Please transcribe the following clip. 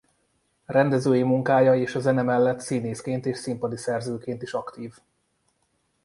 Rendezői munkája és a zene mellett színészként és színpadi szerzőként is aktív.